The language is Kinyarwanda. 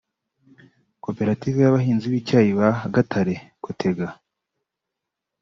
Koperative y’abahinzi b’icyayi ba Gatare (Cothega)